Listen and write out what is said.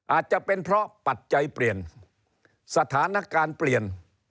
อาจจะเป็นเพราะปัจจัยเปลี่ยนสถานการณ์เปลี่ยน